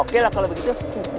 oke lah kalau begitu